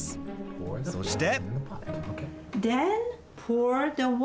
そして？